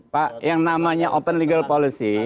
pak yang namanya open legal policy